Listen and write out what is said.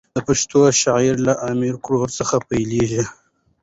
د پښتو شاعري له امیر ګروړ څخه پیلېږي.